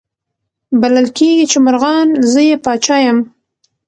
بلل کیږي چي مرغان زه یې پاچا یم